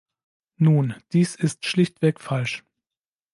Nun, dies ist schlichtweg falsch.